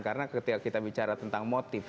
karena ketika kita bicara tentang motif